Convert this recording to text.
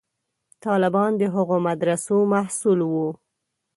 طالبان د هغو مدرسو محصول وو.